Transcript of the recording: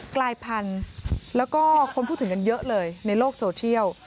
กลายพันธุ์แล้วก็คนพูดถึงกันเยอะเลยในโลกโซเชียล